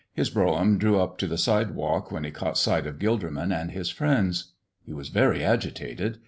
His brougham drew up to the sidewalk when he caught sight of Gilderman and his friends. He was very agitated.